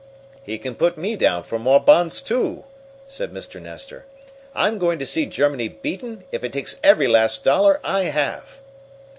"He can put me down for more bonds too!" said Mr. Nestor. "I'm going to see Germany beaten if it takes every last dollar I have!"